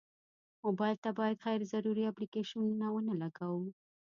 موبایل ته باید غیر ضروري اپلیکیشنونه ونه لګوو.